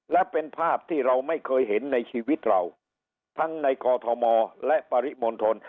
และเป็นภาพที่เราไม่เคยเห็นในชีวิตเราทั้งในกอทมและปริมณฑล